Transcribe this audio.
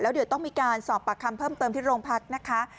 เดี๋ยวต้องมีการสอบปากคำเพิ่มเติมที่โรงพักนะคะ